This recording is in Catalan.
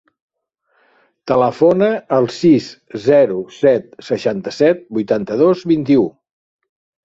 Telefona al sis, zero, set, seixanta-set, vuitanta-dos, vint-i-u.